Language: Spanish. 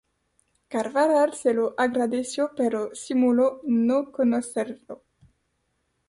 Carvajal se lo agradeció, pero simuló no conocerlo.